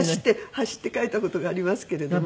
走って帰った事がありますけれども。